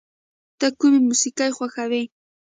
ته کوم موسیقی خوښوې؟